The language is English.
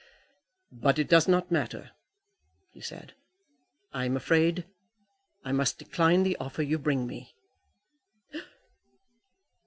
"But it does not matter," he said; "I am afraid I must decline the offer you bring me."